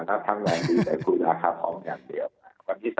ถ้าทำแบบนี้แต่คุยกันกับราคาทองคำอย่างเดียว